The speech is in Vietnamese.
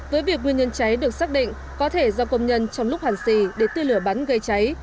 với việc nguyên nhân cháy được xác định có thể do công nhân trong lúc hàn xì để tư lửa bắn gây cháy